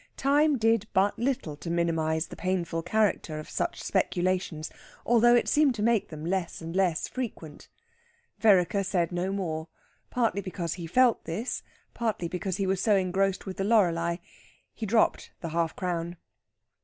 Time did but little to minimise the painful character of such speculations, although it seemed to make them less and less frequent. Vereker said no more, partly because he felt this, partly because he was so engrossed with the Loreley. He dropped the half crown.